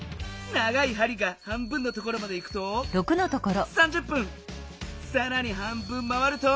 長いはりが半分のところまでいくとさらに半分回ると。